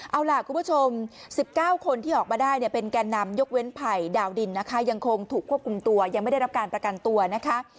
เอาล่ะคุณผู้ชม๑๙คนที่ออกมาได้เนี่ยเป็นแก่นำยกเว้นไผ่ดาวดินนะคะยังคงถูกควบคุมตัวยังไม่ได้รับการประกันตัวนะคะ